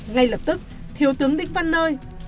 ngay lập tức thiếu tướng đinh văn nơi